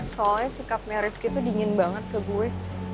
soalnya sikapnya rizky tuh dingin banget ke gue